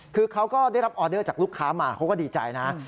คือเขาก็ได้รับออเดอร์จากลูกค้ามาเขาก็ดีใจนะ